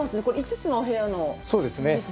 これ５つのお部屋の室温ですね。